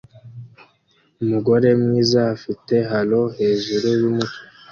Umugore mwiza afite halo hejuru yumutwe